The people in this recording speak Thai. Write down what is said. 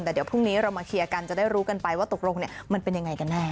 แต่เดี๋ยวพรุ่งนี้เรามาเคลียร์กันจะได้รู้กันไปว่าตกลงมันเป็นยังไงกันแน่